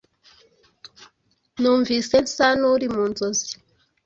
Numvise nsa n'uri mu nzozi,